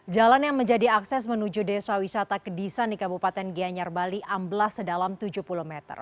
jalan yang menjadi akses menuju desa wisata kedisan di kabupaten gianyar bali amblas sedalam tujuh puluh meter